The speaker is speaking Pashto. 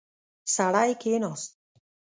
سړی کېناست.